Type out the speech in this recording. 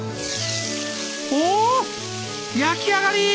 おお焼き上がり！